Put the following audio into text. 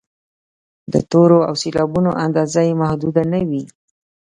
د تورو او سېلابونو اندازه یې محدوده نه وي.